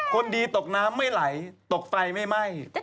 คนดีตกน้ำไม่ไหลตกไฟไม่ไหม้